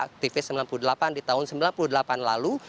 aktivis sembilan puluh delapan di tahun sembilan puluh delapan lalu